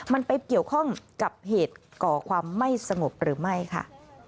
มันไปเกี่ยวข้องกับเหตุก่อความไม่สงบหรือไม่ค่ะ